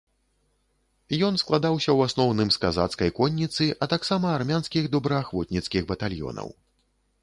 Ён складаўся ў асноўным з казацкай конніцы, а таксама армянскіх добраахвотніцкіх батальёнаў.